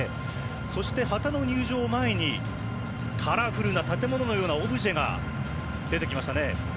そして、旗の入場を前にカラフルな建物のようなオブジェが出てきましたね。